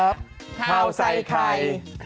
ข่าวใส่ไข่